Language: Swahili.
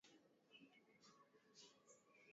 wa Injili tu kinyume cha Kanisa Katoliki lililoona mapokeo